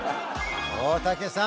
大竹さん